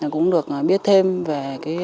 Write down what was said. cũng được biết thêm về